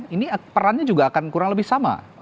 ini perannya juga akan kurang lebih sama